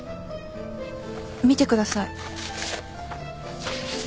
見てください。